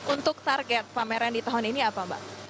untuk target pameran di tahun ini apa mbak